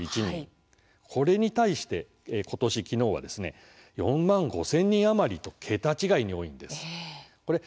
これに対してことし、きのうは４万５０００人余りと桁違いに多いんです。